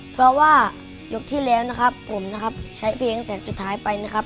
เพราะว่ายกที่แล้วนะครับผมนะครับใช้เพลงแสนสุดท้ายไปนะครับ